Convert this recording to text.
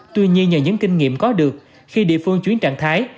tuy nhiên nhờ những kinh nghiệm có được khi địa phương chuyển trạng thái